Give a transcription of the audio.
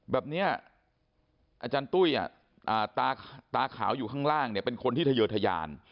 แบบนี้อาจารย์ตุ้ยตาขาวอยู่ข้างล่างเนี่ยเป็นคนที่ทะเยอทยาน